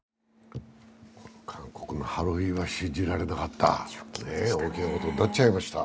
韓国のハロウィーンは信じられなかった、大きなことになっちゃいました。